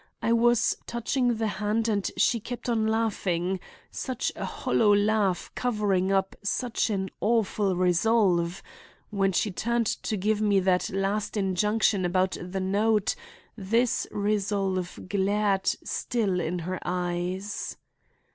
I was touching the hand and she kept on laughing—such a hollow laugh covering up such an awful resolve! When she turned to give me that last injunction about the note, this resolve glared still in her eyes."